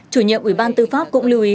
chủ nhiệm ủy ban tư pháp cũng lưu ý